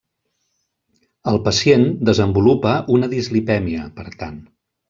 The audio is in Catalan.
El pacient desenvolupa una dislipèmia, per tant.